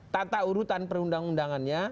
tata urutan perundang undangannya